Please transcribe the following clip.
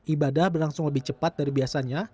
ibadah berlangsung lebih cepat dari biasanya